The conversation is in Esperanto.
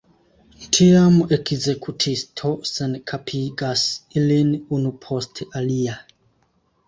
Tiam ekzekutisto senkapigas ilin unu post alia.